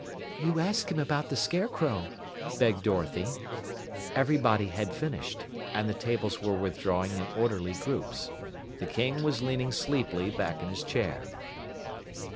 "You ask him about the Scarecrow," begged Dorothy. Everybody had finished, and the tables were withdrawing in orderly groups. The King was leaning sleepily back in his chair.